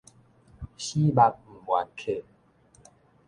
死目毋願瞌